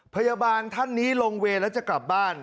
พยาบาลท่านนี้ลงเวรแล้วจะกลับบ้าน